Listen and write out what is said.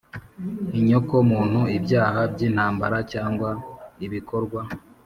inyoko muntu, ibyaha by'intambara cyangwa ibikorwa